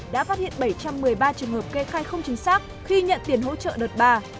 đã phát hiện bảy trăm một mươi ba trường hợp kê khai không chính xác khi nhận tiền hỗ trợ đợt ba